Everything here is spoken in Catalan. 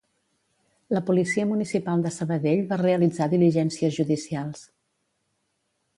La Policia Municipal de Sabadell va realitzar diligències judicials.